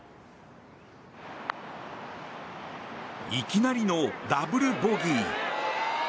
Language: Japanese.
いきなりのダブルボギー。